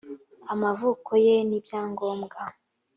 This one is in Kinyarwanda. amavuko ye niyongombwa.